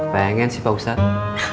pengen sih pak ustadz